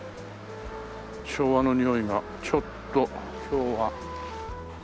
昭和のにおいがちょっと今日は。